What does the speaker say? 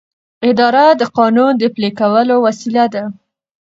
اداره د قانون د پلي کولو وسیله ده.